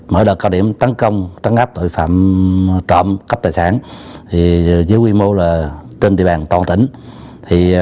mở đợt cao điểm tấn công trắng áp tội phạm trộm cắp tài sản dưới quy mô trên địa bàn toàn tỉnh